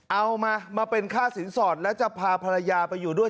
เอามามาเป็นค่าสินสอดแล้วจะพาภรรยาไปอยู่ด้วย